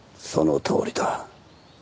そのとおりだ。